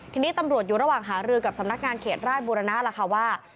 ทีนี้ตำรวจอยู่ระหว่างหารือกับสำนักงานเขตราชบุรณะล่ะค่ะว่า